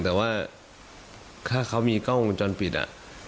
แต่ว่าถ้าเขามีก้องจรปิดอ่ะ